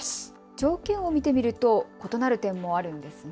条件を見てみると異なる点もあるんですね。